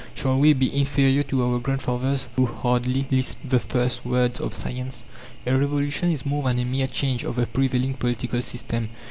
Shall we be inferior to our grandfathers, who hardly lisped the first words of science? A revolution is more than a mere change of the prevailing political system.